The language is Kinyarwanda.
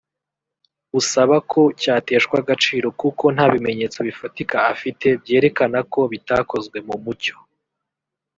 busaba ko cyateshwa agaciro kuko nta bimenyetso bifatika afite byerekana ko bitakozwe mu mucyo